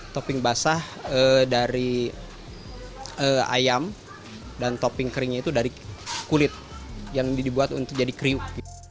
topping basah dari ayam dan topping keringnya itu dari kulit yang dibuat untuk jadi kriuk